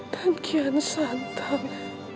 dan kian santang